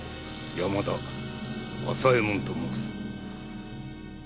山田朝右衛門と申す